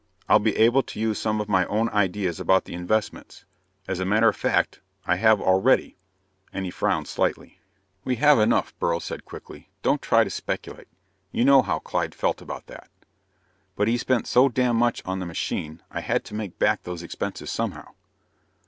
I'll be able to use some of my own ideas about the investments. As a matter of fact, I have already." And he frowned slightly. "We have enough," Beryl said quickly. "Don't try to speculate. You know how Clyde felt about that." "But he spent so damned much on the machine. I had to make back those expenses somehow."